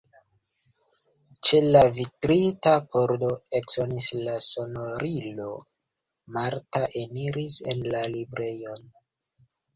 Ĉe la vitrita pordo eksonis la sonorilo, Marta eniris en la librejon.